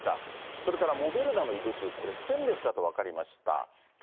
それからモデルナの異物、これ、ステンレスだと分かりました。